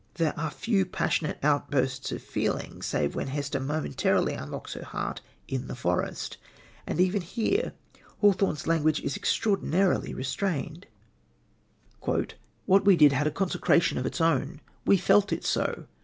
There are few passionate outbursts of feeling, save when Hester momentarily unlocks her heart in the forest and even here Hawthorne's language is extraordinarily restrained: "'What we did had a consecration of its own. We felt it so!